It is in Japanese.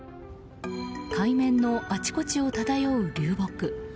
海面のあちこちを漂う流木。